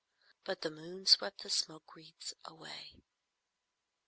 But the moon swept the smoke wreaths away.